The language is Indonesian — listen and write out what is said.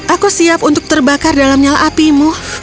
aku siap untuk terbakar dalam nyala apimu